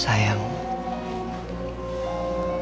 bagaimana kita bisa tempat ini